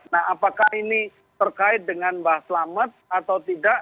nah apakah ini terkait dengan mbah selamat atau tidak